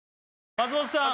松本さん